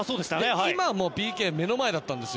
今もＰＫ目の前だったんです。